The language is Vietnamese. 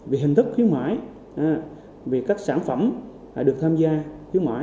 về hình thức khuyến mại về các sản phẩm được tham gia khuyến mại